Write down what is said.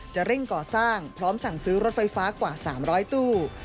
เร่งก่อสร้างพร้อมสั่งซื้อรถไฟฟ้ากว่า๓๐๐ตู้